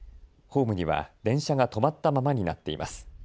ホームには電車が止まったままになっています。